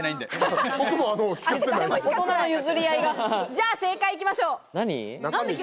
じゃあ正解行きましょう。